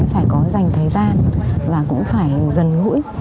phải có dành thời gian và cũng phải gần gũi